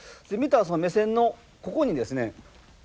見た目線のここにですね